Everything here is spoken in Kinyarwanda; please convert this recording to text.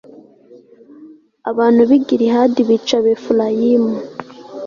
abantu b'i gilihadi bica abefurayimu